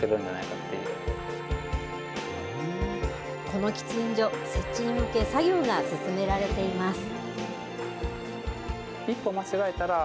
この喫煙所、設置に向け作業が進められています。